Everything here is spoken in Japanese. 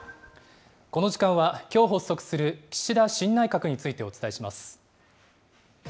この時間は、きょう発足する、岸田新内閣についてお伝えします。